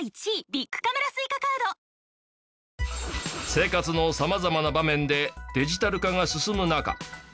生活の様々な場面でデジタル化が進む中。